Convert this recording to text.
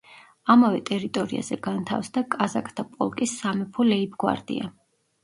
ამავე ტერიტორიაზე განთავსდა კაზაკთა პოლკის სამეფო ლეიბ-გვარდია.